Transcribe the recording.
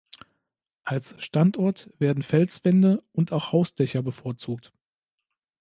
Als Standort werden Felswände und auch Hausdächer bevorzugt.